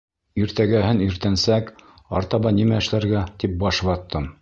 Иртәгәһен иртәнсәк, артабан нимә эшләргә, тип баш ваттым.